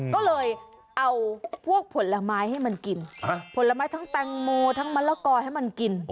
ก็เลยเอาพวกผลไม้ให้มันกินผลไม้ทั้งแตงโมทั้งมะละกอให้มันกิน